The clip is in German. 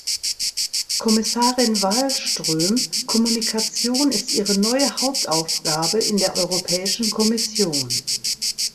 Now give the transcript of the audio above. Kommissarin Wallström, Kommunikation ist Ihre neue Hauptaufgabe in der Europäischen Kommission.